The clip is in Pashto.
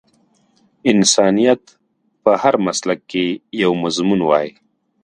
انسانيت په هر مسلک کې یو مضمون وای